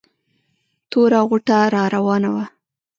توره غوټه را راوانه وه.